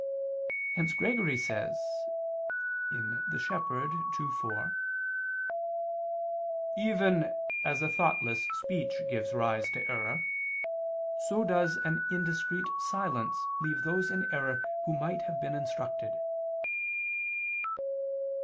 Hence Gregory says (Pastor. ii, 4): "Even as a thoughtless speech gives rise to error, so does an indiscreet silence leave those in error who might have been instructed."